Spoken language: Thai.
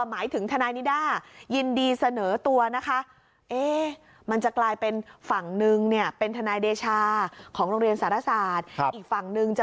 หมายถึงทนายนิด้ายินดีเสนอตัวนะคะ